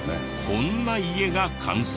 こんな家が完成。